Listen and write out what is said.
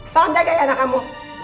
tolong jaga ya anak kamu